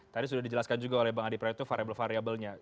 tadi sudah dijelaskan juga oleh bang adi praetno variable variabelnya